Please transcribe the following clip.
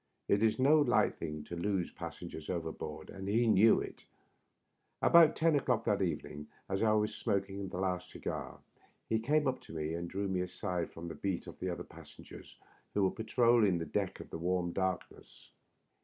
It is no light thing to lose passengers overboard, and he knew it. About ten o'clock that evening, as I was smoking a last cigar, he came up to me and drew me aside from the beat of the other passengers who were patrolling the deck in the warm darkness.